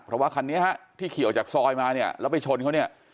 เพราะว่าคันนี้ฮะที่ขี่ออกจากซอยมาเนี่ยแล้วไปชนเขาเนี่ย